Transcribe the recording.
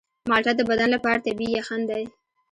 مالټه د بدن لپاره طبیعي یخن دی.